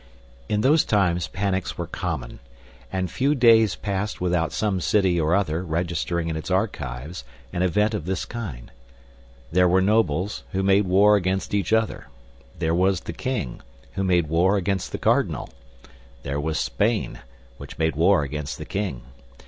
In those times panics were common, and few days passed without some city or other registering in its archives an event of this kind. There were nobles, who made war against each other; there was the king, who made war against the cardinal; there was Spain, which made war against the king.